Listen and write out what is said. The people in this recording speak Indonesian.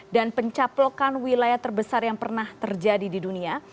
dan pencaplokan wilayah terbesar yang pernah terjadi di dunia